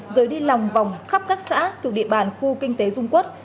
rời đi lòng vòng khắp các xã thuộc địa bàn khu kinh tế dung quốc